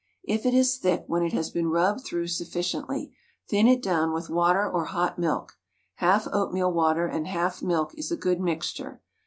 If it is thick when it has been rubbed through sufficiently, thin it down with water or hot milk half oatmeal water and half milk is a good mixture.